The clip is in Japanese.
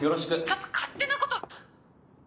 ちょっと勝手なこと。